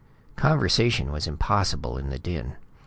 Conversation was impossible in the din.